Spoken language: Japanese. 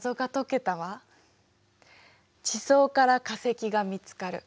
地層から化石が見つかる。